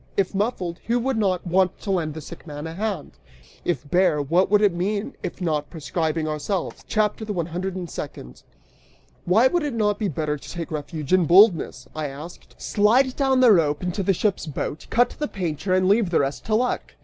If muffled, who would not want to lend the sick man a hand? If bare, what would it mean if not proscribing ourselves?" CHAPTER THE ONE HUNDRED AND SECOND. "Why would it not be better to take refuge in boldness," I asked, "slide down a rope into the ship's boat, cut the painter, and leave the rest to luck'?